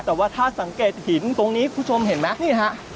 แต่ว่าถ้าสังเกตหินตรงนี้คุณผู้ชมเห็นไหมนี่ฮะ